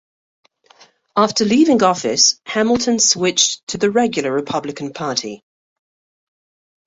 After leaving office, Hamilton switched to the regular Republican Party.